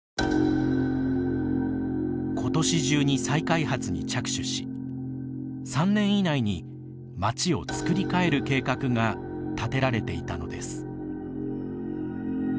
今年中に再開発に着手し３年以内に町を造りかえる計画が立てられていたのです。